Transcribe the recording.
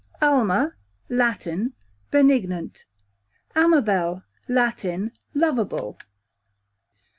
Alma, Latin, benignant. Amabel, Latin, loveable.